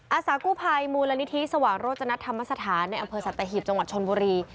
อาสาสมกุภัยมูลนิธิสวังรถจนะธรรมสถานในอำเภอสัตว์ตะหิบจังหวัดชนบุรี